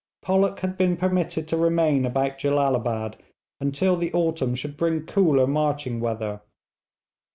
Pollock had been permitted to remain about Jellalabad until the autumn should bring cooler marching weather.